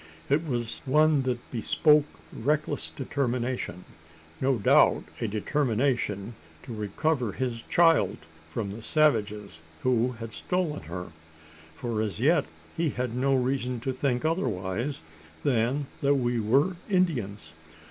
It was one that bespoke reckless determination no doubt a determination to recover his child from the savages who had stolen her; for as yet he had no reason to think otherwise than that we were Indians.